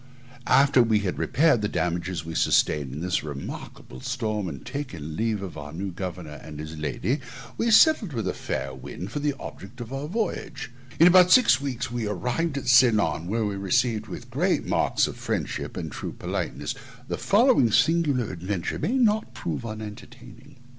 After we had repaired the damages we sustained in this remarkable storm, and taken leave of the new governor and his lady, we sailed with a fair wind for the object of our voyage. In about six weeks we arrived at Ceylon, where we were received with great marks of friendship and true politeness. The following singular adventures may not prove unentertaining.